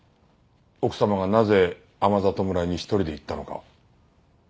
奥様がなぜ天郷村に１人で行ったのか。